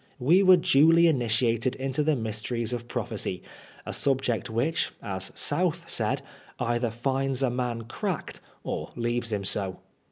We were duly initiated into the mysteries of prophecy, a subject which, as South said, either finds a man cracked or leaves him so.